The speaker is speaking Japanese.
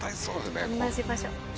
同じ場所。